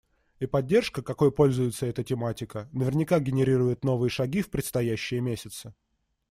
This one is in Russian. И поддержка, какой пользуется эта тематика, наверняка генерирует новые шаги в предстоящие месяцы.